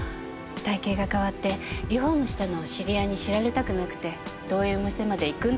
体形が変わってリフォームしたのを知り合いに知られたくなくて遠いお店まで行くんだそうです。